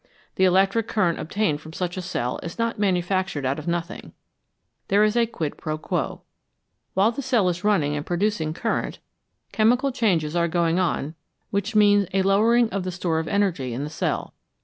The electric current obtained from such a cell is not manu factured out of nothing : there is a quid pro quo. While the cell is running and producing cur rent, chemical changes are going on which mean a lowering of the store of energy in the cell.